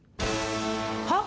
はっ！？